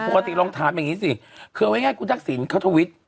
ปกติลองถามอย่างงี้สิคือเอาไว้ง่ายคุณดักศิลป์เขาทวิทย์